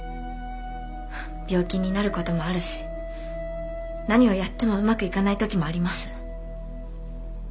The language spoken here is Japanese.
病気になる事もあるし何をやってもうまくいかない時もあります。